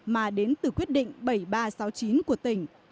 mà đến từ quyết định bảy nghìn ba trăm sáu mươi chín của tỉnh